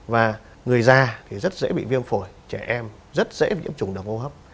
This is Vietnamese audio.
và người già thì rất dễ bị viêm phổi trẻ em rất dễ bị nhiễm chủng đồng hô hấp